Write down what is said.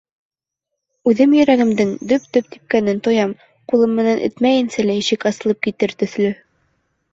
Үҙем йөрәгемдең дөп-дөп типкәнен тоям, ҡулым менән этмәйенсә лә ишек асылып китер төҫлө.